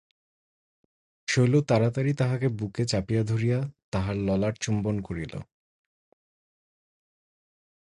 শৈল তাড়াতাড়ি তাহাকে বুকে চাপিয়া ধরিয়া তাহার ললাট চুম্বন করিল।